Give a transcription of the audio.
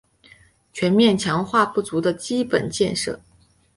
全面强化不足的基础建设